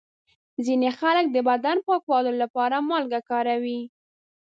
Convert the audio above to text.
ځینې خلک د بدن پاکولو لپاره مالګه کاروي.